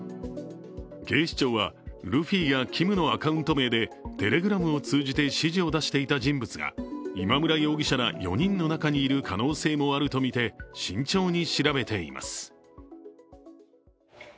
警視庁はルフィやＫｉｍのアカウント名でＴｅｌｅｇｒａｍを通じて指示を出していた人物が今村容疑者ら４人の中にいる可能性もあるとみて慎重に調べています。